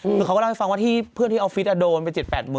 คือเขาก็เล่าให้ฟังว่าที่เพื่อนที่ออฟฟิศโดนไป๗๘๐๐๐